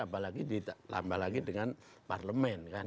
apalagi di lambah lagi dengan parlemen kan